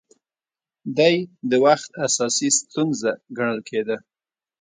دې د وخت اساسي ستونزه ګڼل کېده